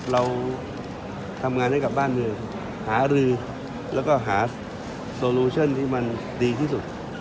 เราทำงานให้กับบ้านเมืองหารือแล้วก็หาโซโลชั่นที่มันดีที่สุด